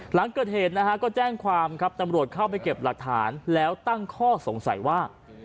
หลังเกิดเหตุก็แจ้งขอบค์ความตลอดเข้าไปเก็บรักฐานแล้วตั้งข้อสงสัยว่า